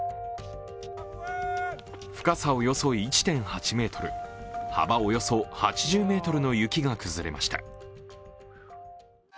深さおよそ１．８ｍ、幅およそ８０ｍの雪が崩れました。